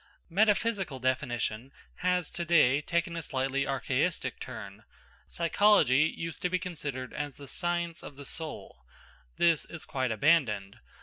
Metaphysical definition has to day taken a slightly archaistic turn. Psychology used to be considered as the science of the soul. This is quite abandoned.